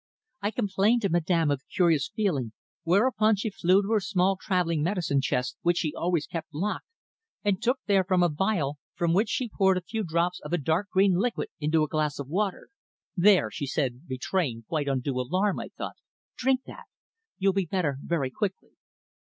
I complained to Madame of the curious feeling, whereupon she flew to her small travelling medicine chest, which she always kept locked, and took therefrom a phial, from which she poured a few drops of a dark green liquid into a glass of water. `There,' she said, betraying quite undue alarm, I thought, `drink that. You'll be better very quickly.'